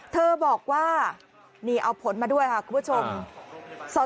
เธอบอกว่านี่เอาผลมาด้วยค่ะคุณผู้ชม